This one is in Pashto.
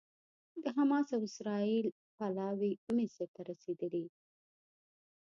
د حماس او اسرائیل پلاوي مصر ته رسېدلي